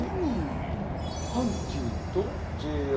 阪急とＪＲ？